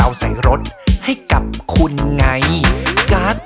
น้ำมันเชื้อเพลิงเอ๊ะคือ